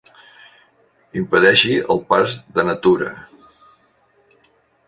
Impedeixi el pas de na Tura.